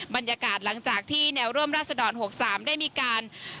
บรรยากาศหลังจากที่แนวร่วมราศดร๖๓ได้มีการ